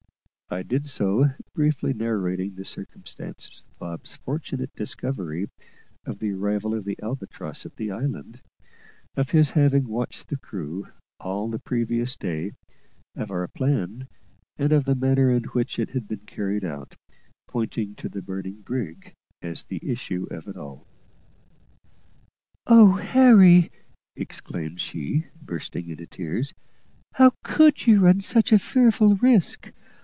I did so, briefly narrating the circumstances of Bob's fortunate discovery of the arrival of the Albatross at the island, of his having watched the crew all the previous day, of our plan, and of the manner in which it had been carried out, pointing to the burning brig as the issue of it all. "Oh! Harry," exclaimed she, bursting into tears, "how could you run such a fearful risk!